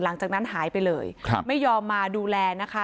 หลังจากนั้นหายไปเลยไม่ยอมมาดูแลนะคะ